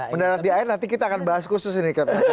mendarat di air nanti kita akan bahas khusus ini